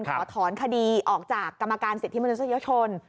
ขอถอนคดีออกจากกรรมการสิทธิมนุษยชน